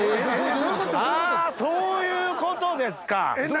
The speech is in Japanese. どういうことですか？